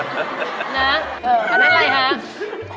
อันนั้นอะไรคะ